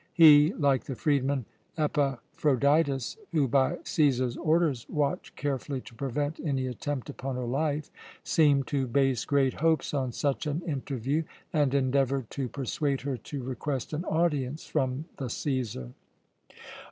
He, like the freedman Epaphroditus, who by Cæsar's orders watched carefully to prevent any attempt upon her life, seemed to base great hopes on such an interview, and endeavoured to persuade her to request an audience from the Cæsar.